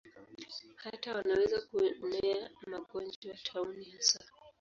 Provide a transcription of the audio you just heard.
Hata wanaweza kuenea magonjwa, tauni hasa.